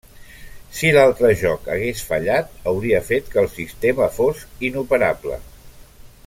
Si l'altre joc hagués fallat, hauria fet que el sistema fos inoperable.